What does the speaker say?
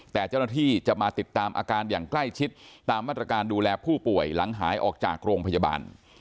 แต่เจ้าหน้าที่จะมาติดตามอาการอย่างใกล้ชิดตามมาตรการดูแลผู้ป่วยหลังหายออกจากโรงพยาบาล